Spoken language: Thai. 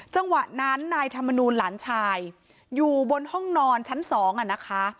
จังหวะนั้นนายธรรมนูลหลานชายอยู่บนห้องนอนชั้นสองอ่ะนะคะ